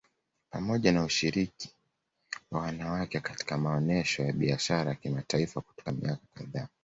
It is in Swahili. Pamoja na ushiriki wa wanawake katika maonesho ya Biashara ya kimataifa kutoka miaka kadhaa